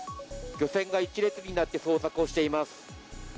漁船が一列になって捜索しています。